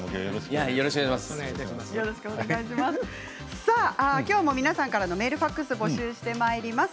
荻野さんも皆さんからのメールファックスを募集してまいります。